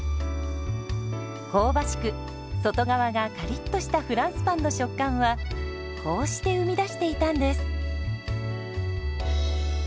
香ばしく外側がカリッとしたフランスパンの食感はこうして生み出していたんです。